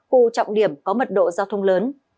khu trọng điểm có mật độ giao thông lớn